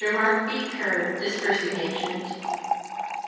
Mark B. Kerr, Disbursing Agent.